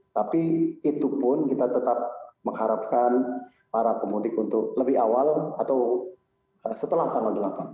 tapi itu pun kita tetap mengharapkan para pemudik untuk lebih awal atau setelah tanggal delapan